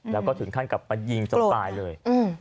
แล้วก็ถึงขั้นกลับมายิงจนตายเลย